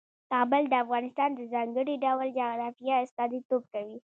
کابل د افغانستان د ځانګړي ډول جغرافیه استازیتوب کوي.